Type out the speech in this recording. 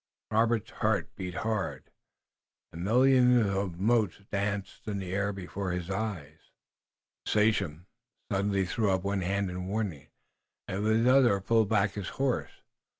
Robert's heart beat hard, and millions of motes danced in the air before his eyes. The sachem suddenly threw up one hand in warning, and with the other pulled back his horse.